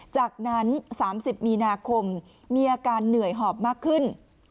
จากนั้น๓๐มีนาคมมีอาการเหนื่อยหอบมากขึ้น